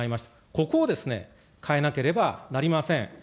ここを変えなければなりません。